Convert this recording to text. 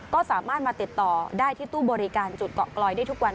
ก็สามารถมาติดต่อได้ที่ตู้บริการจุดเกาะกลอยได้ทุกวัน